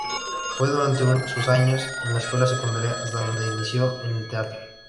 Fue durante sus años en la escuela secundaria donde se inició en el teatro.